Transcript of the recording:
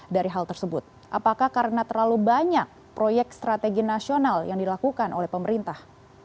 dari hal tersebut apakah karena terlalu banyak proyek strategi nasional yang dilakukan oleh pemerintah